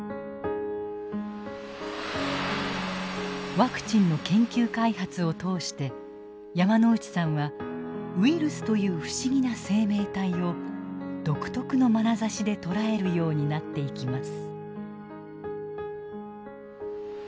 ワクチンの研究開発を通して山内さんはウイルスという不思議な生命体を独特のまなざしで捉えるようになっていきます。